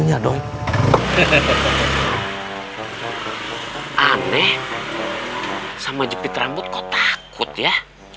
aneh sama jepit rambut kok takut ya